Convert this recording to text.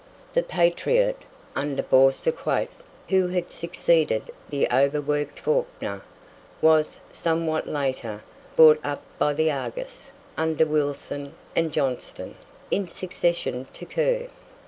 "The Patriot", under Boursiquot, who had succeeded the overworked Fawkner, was, somewhat later, bought up by the "Argus", under Wilson and Johnston, in succession to Kerr.